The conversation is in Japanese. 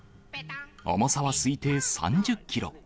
重さは推定３０キロ。